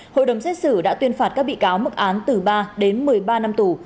hội đồng xét xử đã tuyên phạt các bị cáo mức án từ ba đến một mươi ba năm tù